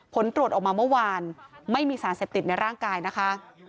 ผลตรวจออกมาเมื่อวานไม่มีสารเสพติดในร่างกายนะคะ